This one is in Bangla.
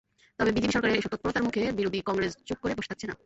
তবে বিজেপি সরকারের এসব তৎপরতার মুখে বিরোধী কংগ্রেস চুপ করে বসে থাকছে না।